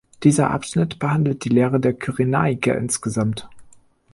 Dieser Abschnitt behandelt die Lehre der Kyrenaiker insgesamt.